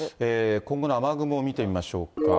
今後の雨雲見てみましょうか。